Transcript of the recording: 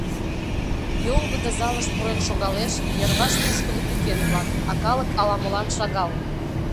Йоҥгыдо залыш пурен шогалеш — йырваш пушкыдо пӱкен-влак, а калык ала-молан шагал.